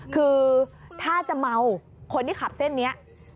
คือถ้าจะเมาคนที่ขับเส้นนี้